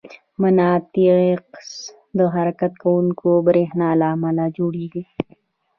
مقناطیس د حرکت کوونکي برېښنا له امله جوړېږي.